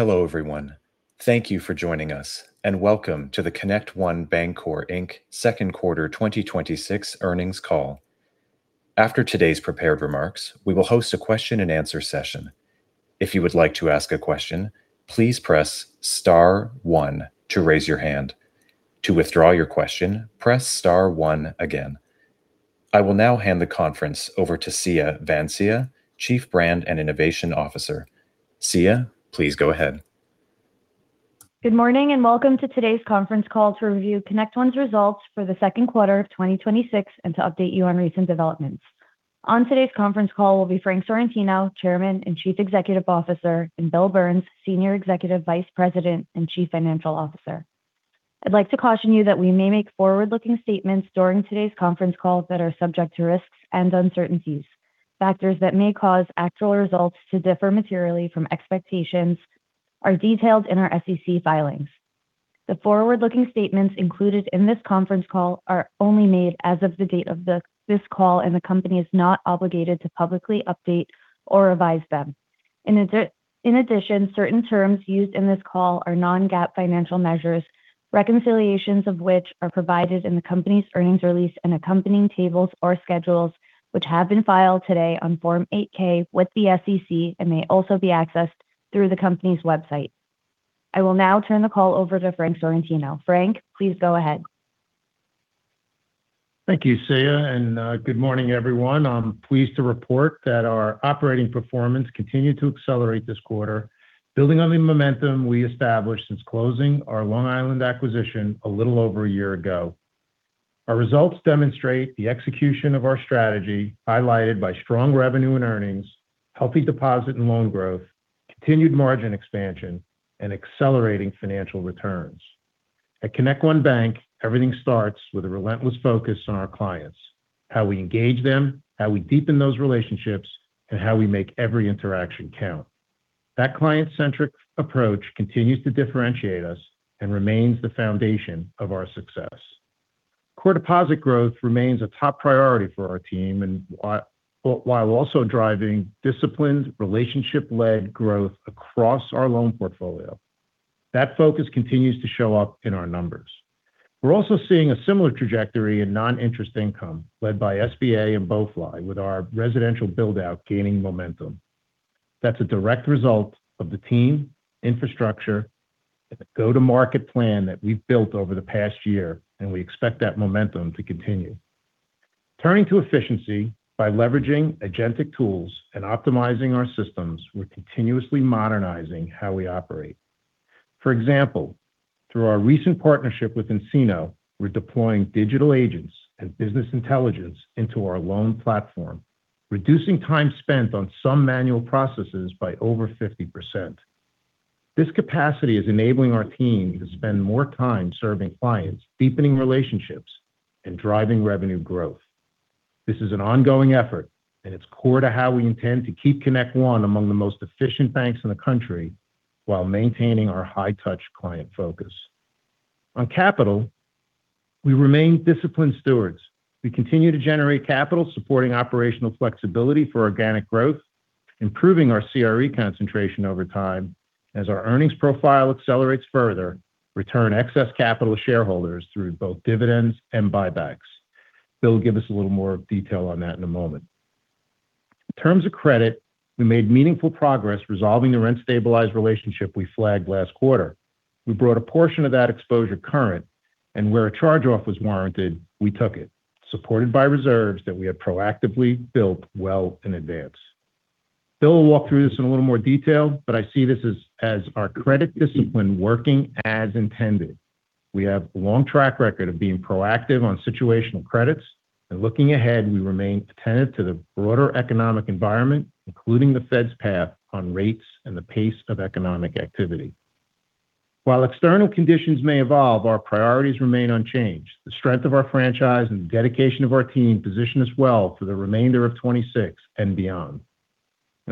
Hello, everyone. Thank you for joining us, and welcome to the ConnectOne Bancorp, Inc second quarter 2026 earnings call. After today's prepared remarks, we will host a question-and-answer session. If you would like to ask a question, please press star one to raise your hand. To withdraw your question, press star one again. I will now hand the conference over to Siya Vansia, Chief Brand and Innovation Officer. Siya, please go ahead. Good morning and welcome to today's conference call to review ConnectOne's results for the second quarter of 2026 and to update you on recent developments. On today's conference call will be Frank Sorrentino, Chairman and Chief Executive Officer, and Bill Burns, Senior Executive Vice President and Chief Financial Officer. I'd like to caution you that we may make forward-looking statements during today's conference call that are subject to risks and uncertainties. Factors that may cause actual results to differ materially from expectations are detailed in our SEC filings. The forward-looking statements included in this conference call are only made as of the date of this call, and the company is not obligated to publicly update or revise them. In addition, certain terms used in this call are non-GAAP financial measures, reconciliations of which are provided in the company's earnings release and accompanying tables or schedules, which have been filed today on Form 8-K with the SEC and may also be accessed through the company's website. I will now turn the call over to Frank Sorrentino. Frank, please go ahead. Thank you, Siya, and good morning, everyone. I'm pleased to report that our operating performance continued to accelerate this quarter, building on the momentum we established since closing our Long Island acquisition a little over a year ago. Our results demonstrate the execution of our strategy, highlighted by strong revenue and earnings, healthy deposit and loan growth, continued margin expansion, and accelerating financial returns. At ConnectOne Bank, everything starts with a relentless focus on our clients, how we engage them, how we deepen those relationships, and how we make every interaction count. That client-centric approach continues to differentiate us and remains the foundation of our success. Core deposit growth remains a top priority for our team and while also driving disciplined, relationship-led growth across our loan portfolio. That focus continues to show up in our numbers. We're also seeing a similar trajectory in non-interest income led by SBA and BoeFly, with our residential build-out gaining momentum. That's a direct result of the team, infrastructure, and the go-to-market plan that we've built over the past year, and we expect that momentum to continue. Turning to efficiency, by leveraging agentic tools and optimizing our systems, we're continuously modernizing how we operate. For example, through our recent partnership with nCino, we're deploying digital agents and business intelligence into our loan platform, reducing time spent on some manual processes by over 50%. This capacity is enabling our team to spend more time serving clients, deepening relationships, and driving revenue growth. This is an ongoing effort, and it's core to how we intend to keep ConnectOne among the most efficient banks in the country while maintaining our high-touch client focus. On capital, we remain disciplined stewards. We continue to generate capital supporting operational flexibility for organic growth, improving our CRE concentration over time. As our earnings profile accelerates further, return excess capital to shareholders through both dividends and buybacks. Bill will give us a little more detail on that in a moment. In terms of credit, we made meaningful progress resolving the rent-stabilized relationship we flagged last quarter. We brought a portion of that exposure current, and where a charge-off was warranted, we took it, supported by reserves that we had proactively built well in advance. Bill will walk through this in a little more detail, but I see this as our credit discipline working as intended. We have a long track record of being proactive on situational credits, and looking ahead, we remain attentive to the broader economic environment, including the Fed's path on rates and the pace of economic activity. While external conditions may evolve, our priorities remain unchanged. The strength of our franchise and dedication of our team position us well for the remainder of 2026 and beyond.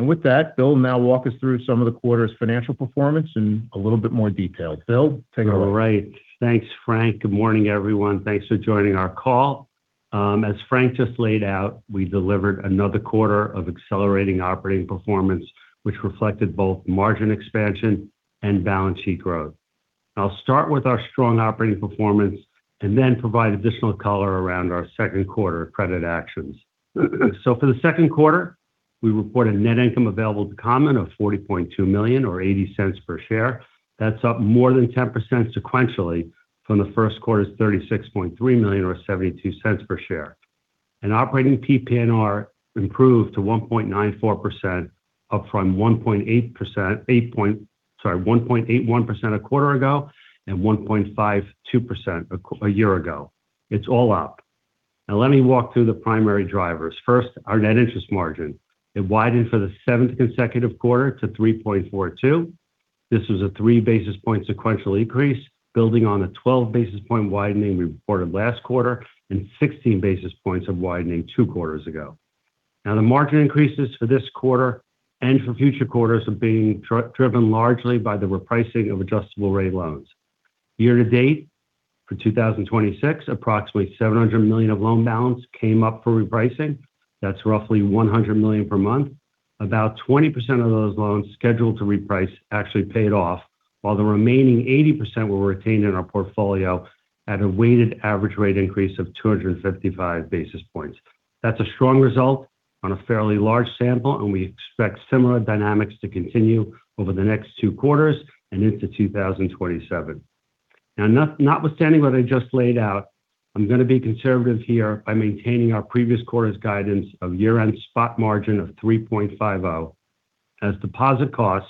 With that, Bill will now walk us through some of the quarter's financial performance in a little bit more detail. Bill, take it away. All right. Thanks, Frank. Good morning, everyone. Thanks for joining our call. As Frank just laid out, we delivered another quarter of accelerating operating performance, which reflected both margin expansion and balance sheet growth. I'll start with our strong operating performance and then provide additional color around our second quarter credit actions. For the second quarter, we report a net income available to common of $40.2 million, or $0.80 per share. That's up more than 10% sequentially from the first quarter's $36.3 million, or $0.72 per share. Operating PPNR improved to 1.94%, up from 1.81% a quarter ago and 1.52% a year ago. It's all up. Let me walk through the primary drivers. First, our net interest margin. It widened for the seventh consecutive quarter to 3.42%. This was a 3-basis-point sequential increase building on the 12-basis-point widening we reported last quarter and 16 basis points of widening two quarters ago. The margin increases for this quarter and for future quarters are being driven largely by the repricing of adjustable-rate loans. Year-to-date for 2026, approximately $700 million of loan balance came up for repricing. That's roughly $100 million per month. About 20% of those loans scheduled to reprice actually paid off, while the remaining 80% were retained in our portfolio at a weighted average rate increase of 255 basis points. That's a strong result on a fairly large sample, and we expect similar dynamics to continue over the next two quarters and into 2027. Notwithstanding what I just laid out, I'm going to be conservative here by maintaining our previous quarter's guidance of year-end spot margin of 3.50%, as deposit costs,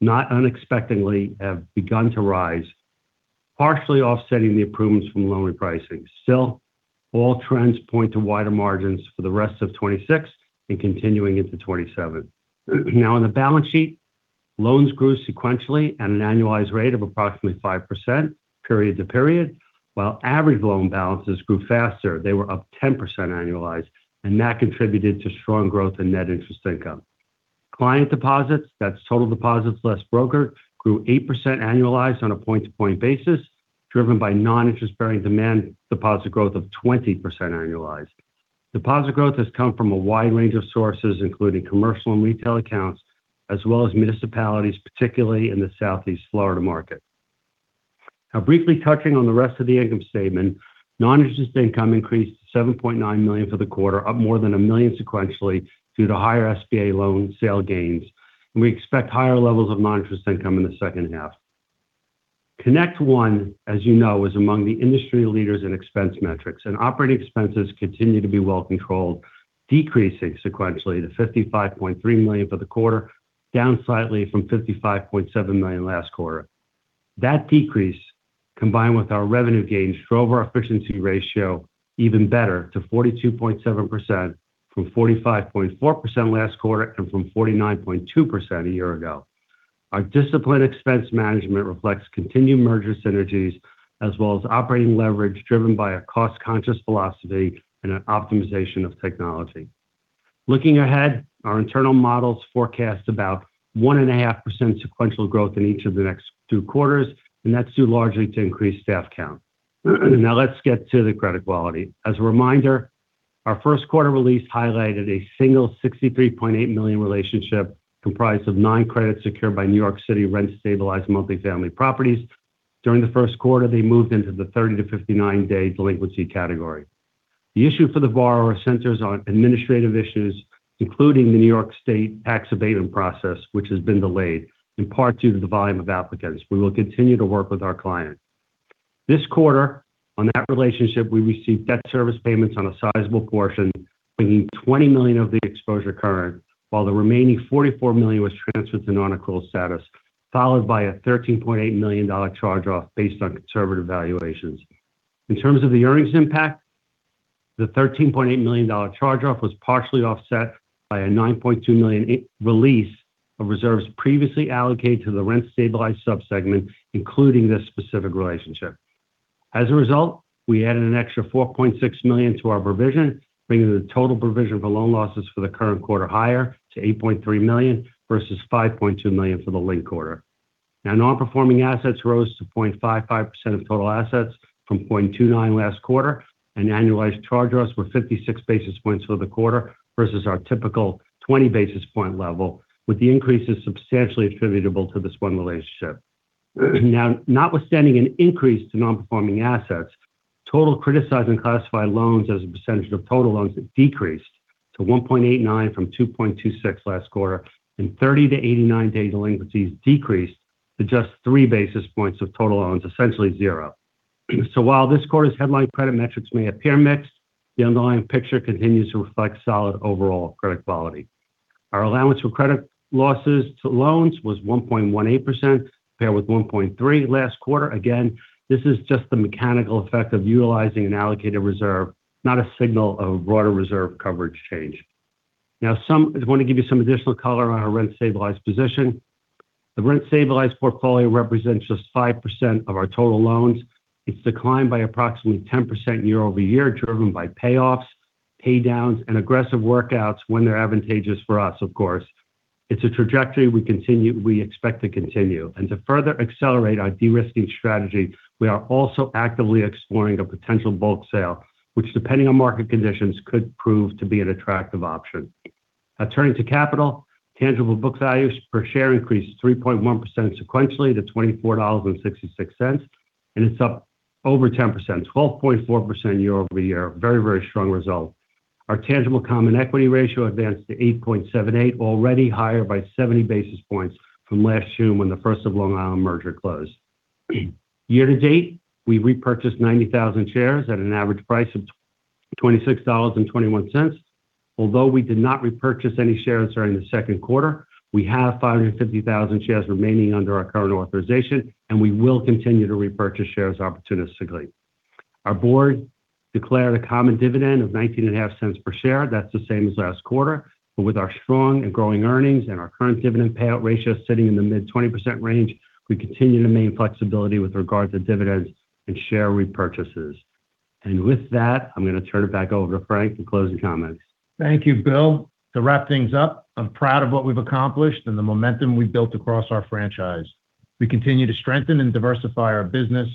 not unexpectedly, have begun to rise, partially offsetting the improvements from loan repricing. Still, all trends point to wider margins for the rest of 2026 and continuing into 2027. On the balance sheet, loans grew sequentially at an annualized rate of approximately 5% period to period, while average loan balances grew faster. They were up 10% annualized, and that contributed to strong growth in net interest income. Client deposits, that's total deposits less broker, grew 8% annualized on a point-to-point basis, driven by non-interest-bearing demand deposit growth of 20% annualized. Deposit growth has come from a wide range of sources, including commercial and retail accounts, as well as municipalities, particularly in the Southeast Florida market. Briefly touching on the rest of the income statement, non-interest income increased to $7.9 million for the quarter, up more than $1 million sequentially due to higher SBA loan sale gains. We expect higher levels of non-interest income in the second half. ConnectOne, as you know, is among the industry leaders in expense metrics. Operating expenses continue to be well-controlled, decreasing sequentially to $55.3 million for the quarter, down slightly from $55.7 million last quarter. That decrease, combined with our revenue gains, drove our efficiency ratio even better to 42.7% from 45.4% last quarter and from 49.2% a year ago. Our disciplined expense management reflects continued merger synergies as well as operating leverage driven by a cost-conscious philosophy and an optimization of technology. Looking ahead, our internal models forecast about 1.5% sequential growth in each of the next two quarters. That's due largely to increased staff count. Let's get to the credit quality. As a reminder, our first quarter release highlighted a single $63.8 million relationship comprised of nine credits secured by New York City rent-stabilized multifamily properties. During the first quarter, they moved into the 30- to 59-day delinquency category. The issue for the borrower centers on administrative issues, including the New York State tax abatement process, which has been delayed, in part due to the volume of applicants. We will continue to work with our client. This quarter, on that relationship, we received debt service payments on a sizable portion, bringing $20 million of the exposure current, while the remaining $44 million was transferred to non-accrual status, followed by a $13.8 million charge-off based on conservative valuations. In terms of the earnings impact, the $13.8 million charge-off was partially offset by a $9.2 million release of reserves previously allocated to the rent-stabilized subsegment, including this specific relationship. As a result, we added an extra $4.6 million to our provision, bringing the total provision for loan losses for the current quarter higher to $8.3 million versus $5.2 million for the linked quarter. Non-performing assets rose to 0.55% of total assets from 0.29% last quarter, and annualized charge-offs were 56 basis points for the quarter versus our typical 20 basis points level, with the increases substantially attributable to this one relationship. Notwithstanding an increase to non-performing assets, total criticized and classified loans as a percentage of total loans decreased to 1.89% from 2.26% last quarter, and 30- to 89-day delinquencies decreased to just 3 basis points of total loans, essentially zero. While this quarter's headline credit metrics may appear mixed, the underlying picture continues to reflect solid overall credit quality. Our allowance for credit losses to loans was 1.18%, compared with 1.3% last quarter. Again, this is just the mechanical effect of utilizing an allocated reserve, not a signal of a broader reserve coverage change. I want to give you some additional color on our rent-stabilized position. The rent-stabilized portfolio represents just 5% of our total loans. It's declined by approximately 10% year-over-year, driven by payoffs, paydowns, and aggressive workouts when they're advantageous for us, of course. It's a trajectory we expect to continue. To further accelerate our de-risking strategy, we are also actively exploring a potential bulk sale, which depending on market conditions, could prove to be an attractive option. Turning to capital, tangible book values per share increased 3.1% sequentially to $24.66, and it's up over 10%, 12.4% year-over-year. Very, very strong result. Our tangible common equity ratio advanced to 8.78%, already higher by 70 basis points from last June when the First of Long Island merger closed. Year-to-date, we repurchased 90,000 shares at an average price of $26.21. Although we did not repurchase any shares during the second quarter, we have 550,000 shares remaining under our current authorization, and we will continue to repurchase shares opportunistically. Our board declared a common dividend of $0.195 per share. That's the same as last quarter. With our strong and growing earnings and our current dividend payout ratio sitting in the mid-20% range, we continue to maintain flexibility with regard to dividends and share repurchases. With that, I'm going to turn it back over to Frank to close the comments. Thank you, Bill. To wrap things up, I'm proud of what we've accomplished and the momentum we've built across our franchise. We continue to strengthen and diversify our business.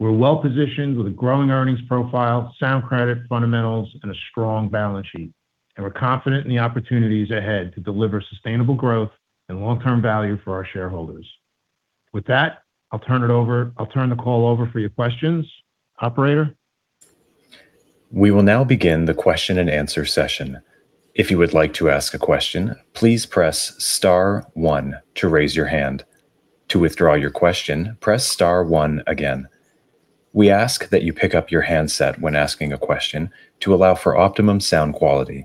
We're well-positioned with a growing earnings profile, sound credit fundamentals, and a strong balance sheet. We're confident in the opportunities ahead to deliver sustainable growth and long-term value for our shareholders. With that, I'll turn the call over for your questions. Operator? We will now begin the question-and-answer session. If you would like to ask a question, please press star one to raise your hand. To withdraw your question, press star one again. We ask that you pick up your handset when asking a question to allow for optimum sound quality.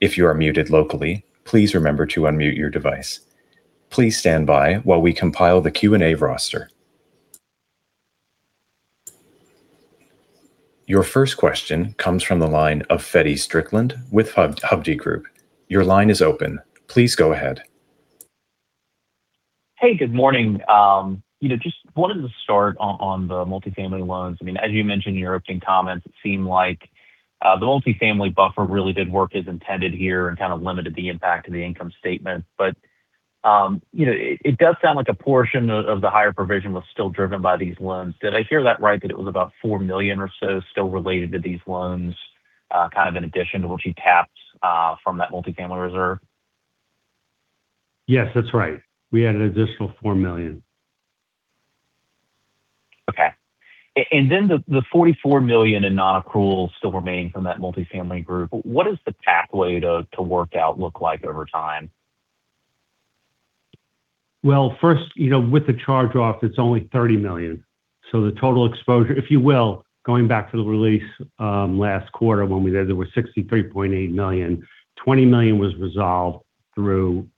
If you are muted locally, please remember to unmute your device. Please stand by while we compile the Q&A roster. Your first question comes from the line of Feddie Strickland with Hovde Group. Your line is open. Please go ahead. Hey, good morning. Just wanted to start on the multifamily loans. As you mentioned in your opening comments, it seemed like the multifamily buffer really did work as intended here and kind of limited the impact of the income statement. It does sound like a portion of the higher provision was still driven by these loans. Did I hear that right, that it was about $4 million or so still related to these loans, kind of in addition to what you tapped from that multifamily reserve? Yes, that's right. We had an additional $4 million. Okay. Then the $44 million in non-accruals still remaining from that multifamily group, what does the pathway to work out look like over time? Well, first, with the charge-off, it's only $30 million. The total exposure, if you will, going back to the release last quarter when we said there were $63.8 million, $20 million was resolved through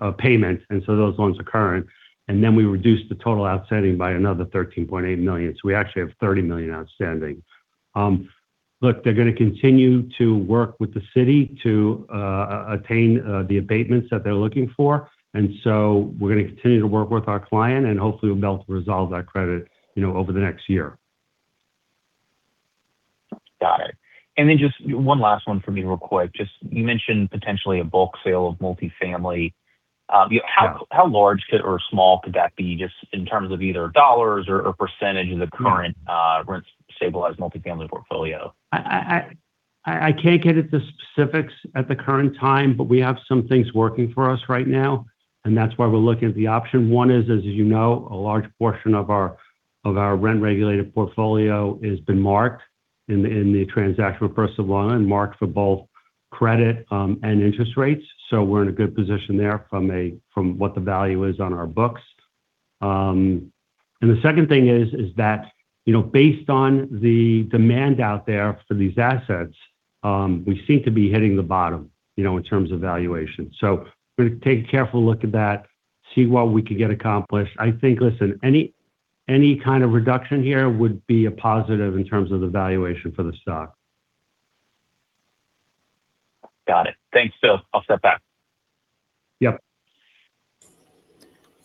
a payment, and so those loans are current. Then, we reduced the total outstanding by another $13.8 million, so we actually have $30 million outstanding. Look, they're going to continue to work with the city to attain the abatements that they're looking for. So, we're going to continue to work with our client, and hopefully we'll be able to resolve that credit over the next year. Got it. Then just one last one for me real quick. Just you mentioned potentially a bulk sale of multifamily. Yeah. How large or small could that be, just in terms of either dollars or percentage of the current rent-stabilized multifamily portfolio? I can't get into specifics at the current time, but we have some things working for us right now, and that's why we're looking at the option. One is, as you know, a large portion of our rent-regulated portfolio has been marked in the transactional purse of loan and marked for both credit and interest rates. We're in a good position there from what the value is on our books. The second thing is that based on the demand out there for these assets, we seem to be hitting the bottom in terms of valuation. We're going to take a careful look at that, see what we can get accomplished. I think, listen, any kind of reduction here would be a positive in terms of the valuation for the stock. Got it. Thanks, Bill. I'll step back. Yep.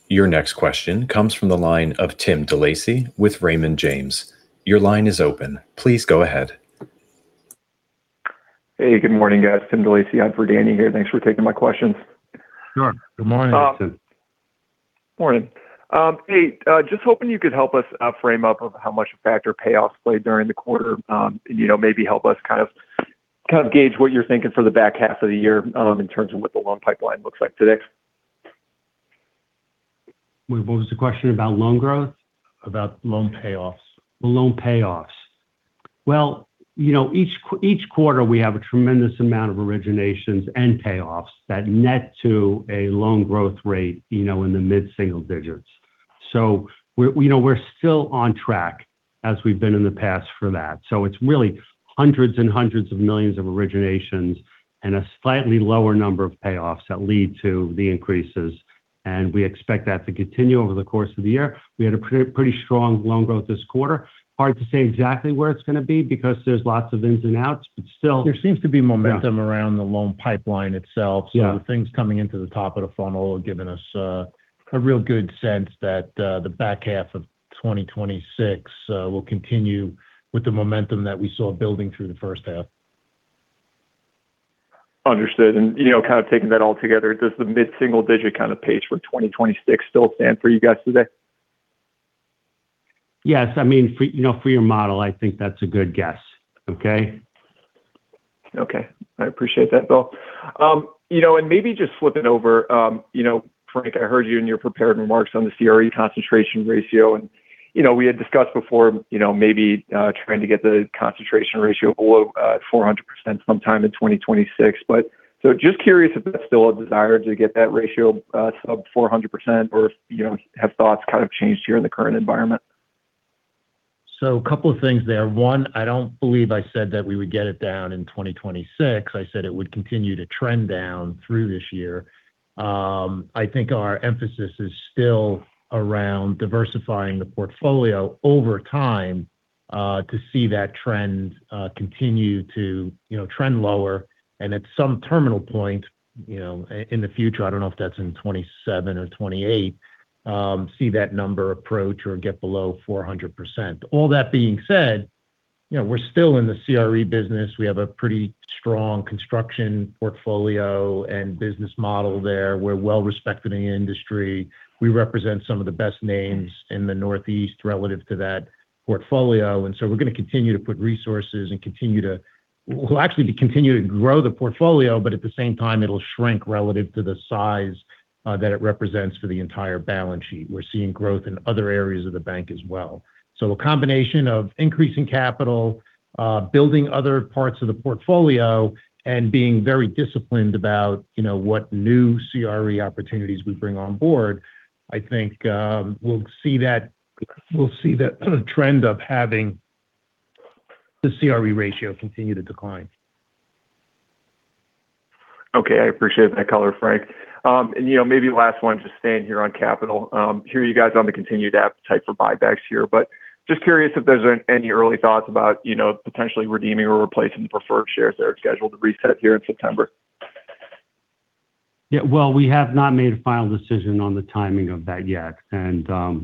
Your next question comes from the line of Tim DeLacey with Raymond James. Your line is open. Please go ahead. Hey, good morning, guys. Tim DeLacey on for Danny here. Thanks for taking my questions. Sure. Good morning, Tim. Morning. Hey, just hoping you could help us frame up of how much factor payoffs played during the quarter and maybe help us kind of gauge what you're thinking for the back half of the year in terms of what the loan pipeline looks like today. What was the question, about loan growth? About loan payoffs. Loan payoffs. Well, each quarter we have a tremendous amount of originations and payoffs that net to a loan growth rate in the mid-single digits. We're still on track as we've been in the past for that. It's really hundreds and hundreds of millions of originations and a slightly lower number of payoffs that lead to the increases, and we expect that to continue over the course of the year. We had a pretty strong loan growth this quarter. Hard to say exactly where it's going to be because there's lots of ins and outs. There seems to be momentum around the loan pipeline itself. Yeah. The things coming into the top of the funnel are giving us a real good sense that the back half of 2026 will continue with the momentum that we saw building through the first half. Understood. Kind of taking that all together, does the mid-single digit kind of pace for 2026 still stand for you guys today? Yes. For your model, I think that's a good guess. Okay? Okay. I appreciate that, Bill. Maybe just flipping over. Frank, I heard you in your prepared remarks on the CRE concentration ratio, and we had discussed before maybe trying to get the concentration ratio below 400% sometime in 2026. Just curious if that's still a desire to get that ratio sub-400%, or have thoughts kind of changed here in the current environment? A couple of things there. One, I don't believe I said that we would get it down in 2026. I said it would continue to trend down through this year. I think our emphasis is still around diversifying the portfolio over time to see that trend continue to trend lower. At some terminal point in the future, I don't know if that's in 2027 or 2028, see that number approach or get below 400%. All that being said, we're still in the CRE business. We have a pretty strong construction portfolio and business model there. We're well-respected in the industry. We represent some of the best names in the Northeast relative to that portfolio. We're going to continue to put resources, we'll actually continue to grow the portfolio, but at the same time, it'll shrink relative to the size that it represents for the entire balance sheet. We're seeing growth in other areas of the bank as well. So, a combination of increasing capital, building other parts of the portfolio, and being very disciplined about what new CRE opportunities we bring on board, I think we'll see that trend of having the CRE ratio continue to decline. Okay. I appreciate that color, Frank. Maybe last one, just staying here on capital. Hear you guys on the continued appetite for buybacks here, but just curious if there's any early thoughts about potentially redeeming or replacing the preferred shares that are scheduled to reset here in September. Yeah. Well, we have not made a final decision on the timing of that yet. The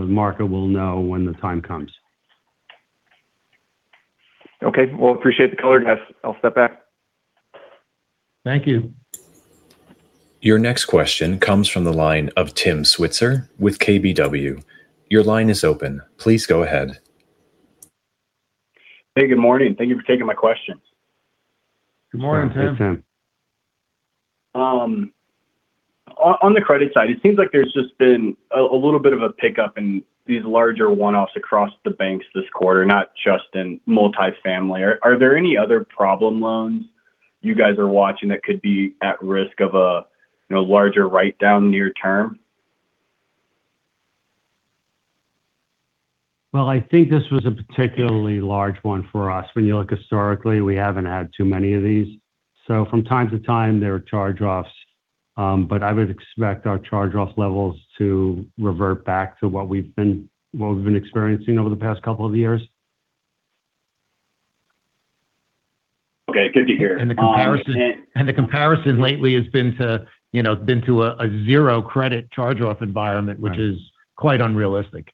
market will know when the time comes. Okay. Well, appreciate the color, guys. I'll step back. Thank you. Your next question comes from the line of Tim Switzer with KBW. Your line is open. Please go ahead. Hey, good morning. Thank you for taking my questions. Good morning, Tim. Yeah. Hey, Tim. On the credit side, it seems like there's just been a little bit of a pickup in these larger one-offs across the banks this quarter, not just in multi-family. Are there any other problem loans you guys are watching that could be at risk of a larger write down near term? Well, I think this was a particularly large one for us. When you look historically, we haven't had too many of these. From time to time, there are charge-offs, but I would expect our charge-off levels to revert back to what we've been experiencing over the past couple of years. Okay. Good to hear. The comparison lately has been to a zero credit charge-off environment. Right. Which is quite unrealistic.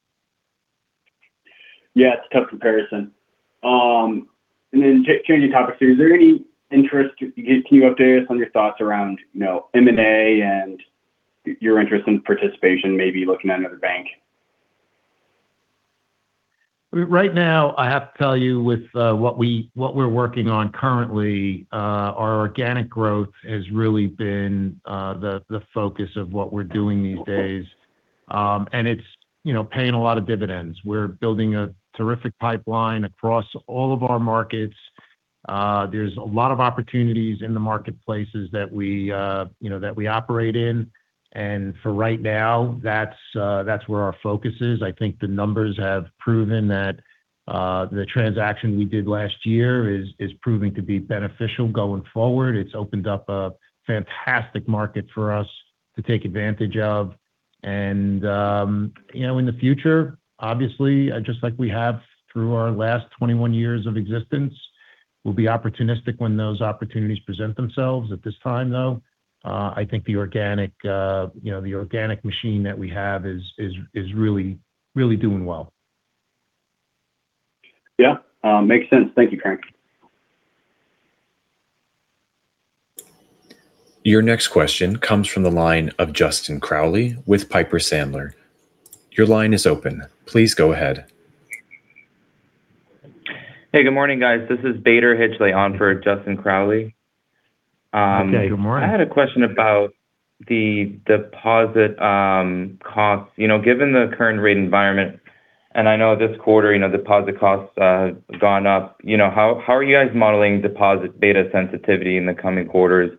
Yeah. It's a tough comparison. Changing topics. Can you update us on your thoughts around M&A and your interest in participation, maybe looking at another bank? Right now, I have to tell you with what we're working on currently, our organic growth has really been the focus of what we're doing these days, and it's paying a lot of dividends. We're building a terrific pipeline across all of our markets. There's a lot of opportunities in the marketplaces that we operate in. For right now, that's where our focus is. I think the numbers have proven that the transaction we did last year is proving to be beneficial going forward. It's opened up a fantastic market for us to take advantage of. In the future, obviously, just like we have through our last 21 years of existence, we'll be opportunistic when those opportunities present themselves. At this time, though, I think the organic machine that we have is really doing well. Yeah. Makes sense. Thank you, Frank. Your next question comes from the line of Justin Crowley with Piper Sandler. Your line is open. Please go ahead. Hey, good morning, guys. This is Bader Hijleh on for Justin Crowley. Okay. Good morning. I had a question about the deposit costs. Given the current rate environment, and I know this quarter, deposit costs have gone up. How are you guys modeling deposit beta sensitivity in the coming quarters?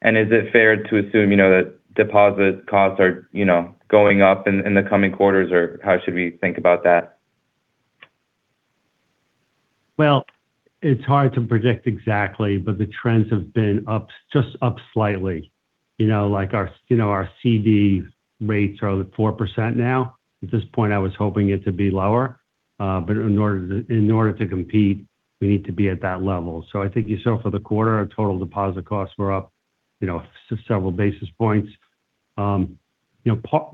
Is it fair to assume that deposit costs are going up in the coming quarters, or how should we think about that? It's hard to predict exactly, but the trends have been just up slightly. Like our CD rates are 4% now, at this point, I was hoping it to be lower. In order to compete, we need to be at that level. I think you saw for the quarter, our total deposit costs were up several basis points.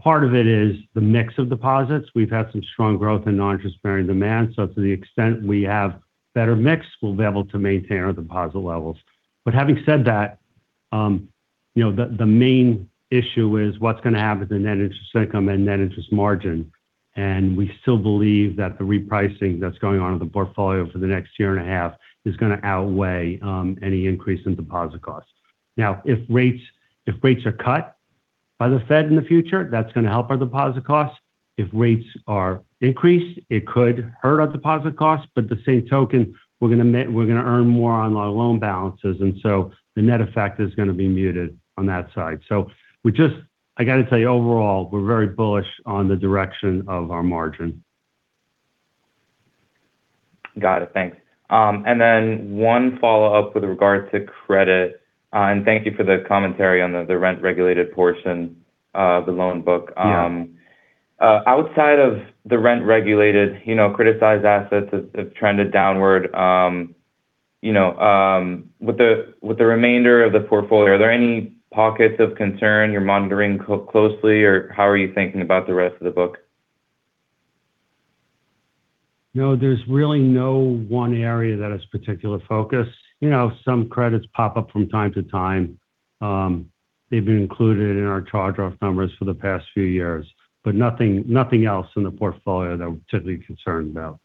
Part of it is the mix of deposits. We've had some strong growth in non-interest-bearing demand. To the extent we have better mix, we'll be able to maintain our deposit levels. Having said that, the main issue is what's going to happen to net interest income and net interest margin. We still believe that the repricing that's going on in the portfolio for the next year and a half is going to outweigh any increase in deposit costs. Now, if rates are cut by the Fed in the future, that's going to help our deposit costs. If rates are increased, it could hurt our deposit costs. At the same token, we're going to earn more on our loan balances, and so the net effect is going to be muted on that side. I got to tell you, overall, we're very bullish on the direction of our margin. Got it. Thanks. Then, one follow-up with regard to credit. Thank you for the commentary on the rent-regulated portion of the loan book. Yeah. Outside of the rent-regulated criticized assets have trended downward, with the remainder of the portfolio, are there any pockets of concern you're monitoring closely, or how are you thinking about the rest of the book? No, there's really no one area that is particular focus. Some credits pop up from time to time. They've been included in our charge-off numbers for the past few years, but nothing else in the portfolio that we're particularly concerned about.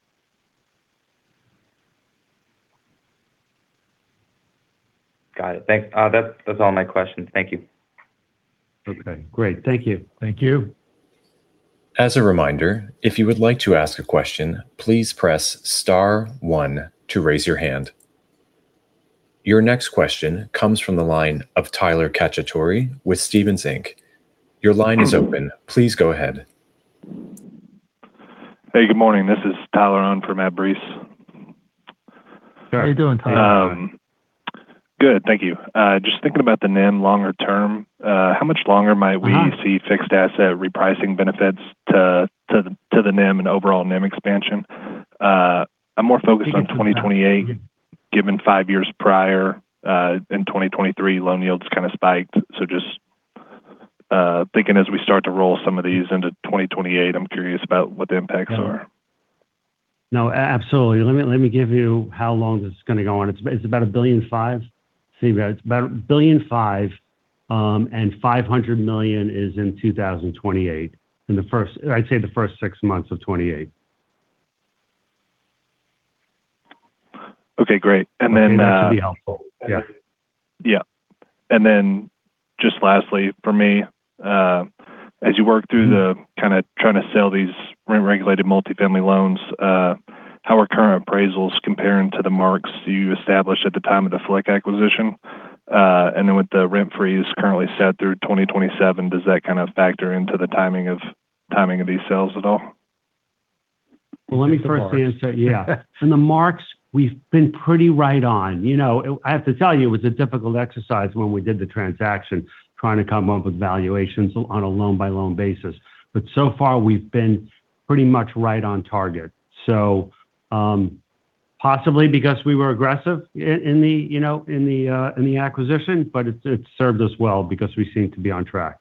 Got it. Thanks. That's all my questions. Thank you. Okay, great. Thank you. Thank you. As a reminder, if you would like to ask a question, please press star one to raise your hand. Your next question comes from the line of Tyler Cacciatori with Stephens Inc. Your line is open. Please go ahead. Hey, good morning. This is Tyler on for Matt Breese. How are you doing, Tyler? Good, thank you. Just thinking about the NIM longer term, how much longer might we see fixed asset repricing benefits to the NIM and overall NIM expansion? I'm more focused on 2028, given five years prior, in 2023, loan yields kind of spiked. Just thinking as we start to roll some of these into 2028, I'm curious about what the impacts are. No, absolutely. Let me give you how long this is going to go on. It's about $1.5 billion. Let's see. It's about $1.5 billion, and $500 million is in 2028 in, I'd say, the first six months of 2028. Okay, great. That should be helpful. Yeah. Just lastly for me, as you work through kind of trying to sell these rent-regulated multifamily loans, how are current appraisals comparing to the marks you established at the time of the FLIC acquisition? With the rent freeze currently set through 2027, does that kind of factor into the timing of these sales at all? Well, let me first answer. Yeah. On the marks, we've been pretty right on. I have to tell you, it was a difficult exercise when we did the transaction, trying to come up with valuations on a loan-by-loan basis. But so far, we've been pretty much right on target. Possibly because we were aggressive in the acquisition, but it served us well because we seem to be on track.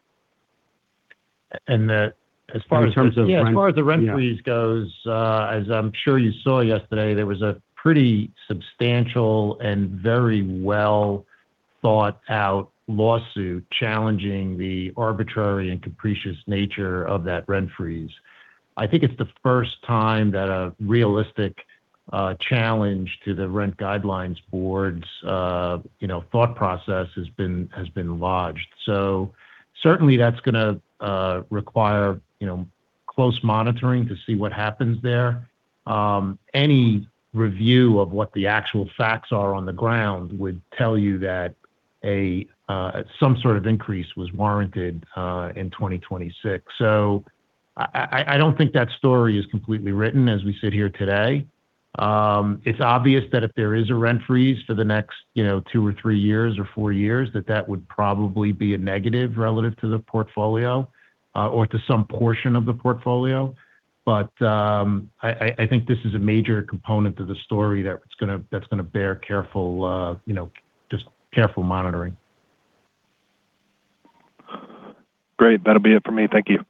As far as the rent freeze goes, as I'm sure you saw yesterday, there was a pretty substantial and very well-thought-out lawsuit challenging the arbitrary and capricious nature of that rent freeze. I think it's the first time that a realistic challenge to the Rent Guidelines Board's thought process has been lodged. Certainly, that's going to require close monitoring to see what happens there. Any review of what the actual facts are on the ground would tell you that some sort of increase was warranted in 2026. I don't think that story is completely written as we sit here today. It's obvious that if there is a rent freeze for the next two or three years or four years, that that would probably be a negative relative to the portfolio or to some portion of the portfolio. But I think this is a major component to the story that's going to bear careful monitoring. Great. That'll be it for me. Thank you.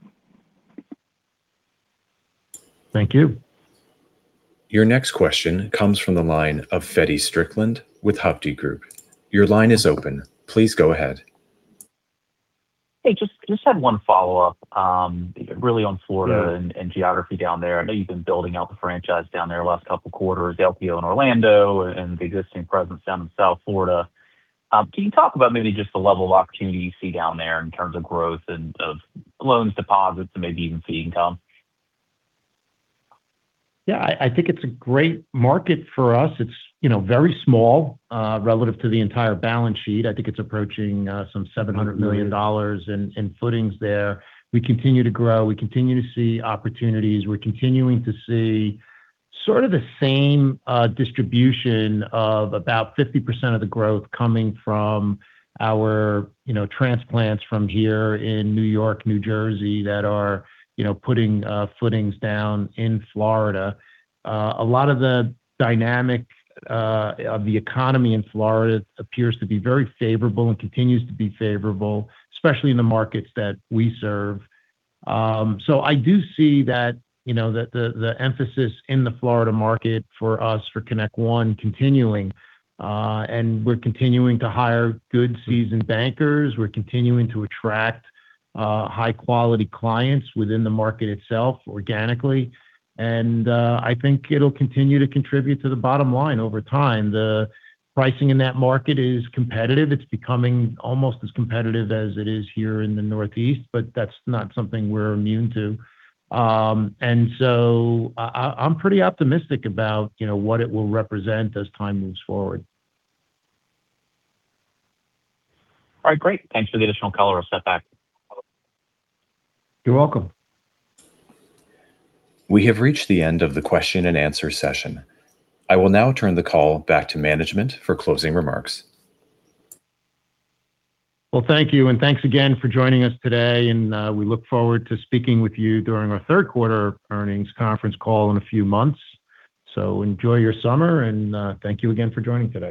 Thank you. Your next question comes from the line of Feddie Strickland with Hovde Group. Your line is open. Please go ahead. Hey. Just had one follow-up really on Florida and geography down there. I know you've been building out the franchise down there the last couple of quarters, LPO in Orlando and the existing presence down in South Florida. Can you talk about maybe just the level of opportunity you see down there in terms of growth of loans, deposits, and maybe even fee income? Yeah, I think it's a great market for us. It's very small relative to the entire balance sheet. I think it's approaching some $700 million in footings there. We continue to grow. We continue to see opportunities. We're continuing to see sort of the same distribution of about 50% of the growth coming from our transplants from here in New York, New Jersey, that are putting footings down in Florida. A lot of the dynamic of the economy in Florida appears to be very favorable and continues to be favorable, especially in the markets that we serve. I do see the emphasis in the Florida market for us, for ConnectOne continuing. We're continuing to hire good, seasoned bankers. We're continuing to attract high-quality clients within the market itself organically, and I think it'll continue to contribute to the bottom line over time. The pricing in that market is competitive. It's becoming almost as competitive as it is here in the Northeast, but that's not something we're immune to. I'm pretty optimistic about what it will represent as time moves forward. All right, great. Thanks for the additional color. I'll step back. You're welcome. We have reached the end of the question-and-answer session. I will now turn the call back to management for closing remarks. Well, thank you, and thanks again for joining us today, and we look forward to speaking with you during our third quarter earnings conference call in a few months. Enjoy your summer and thank you again for joining today.